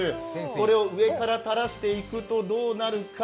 これを上からたらしていくとどうなるか？